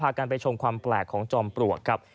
กันไปชมความแปลกของจอมปลวกครับ